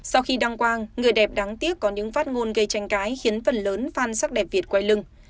sau khi đăng quang người đẹp đáng tiếc có những phát ngôn gây tranh cãi khiến phần lớn phan sắc đẹp việt quay lưng